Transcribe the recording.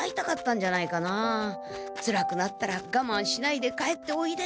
「つらくなったらがまんしないで帰っておいで」